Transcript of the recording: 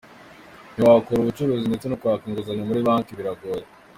Ntitwakora ubucuruzi ndetse no kwaka inguzanyo muri banki biragoye.